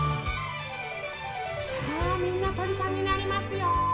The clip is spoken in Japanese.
さあみんなとりさんになりますよ。